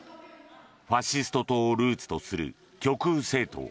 ファシスト党をルーツとする極右政党